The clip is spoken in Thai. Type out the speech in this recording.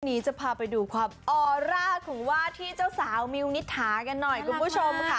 วันนี้จะพาไปดูความออร่าของวาที่เจ้าสาวมิวณิธากันหน่อย